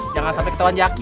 jangan sampai ketahuan jaki